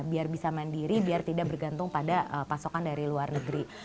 biar bisa mandiri biar tidak bergantung pada pasokan dari luar negeri